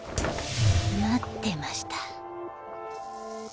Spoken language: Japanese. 待ってました。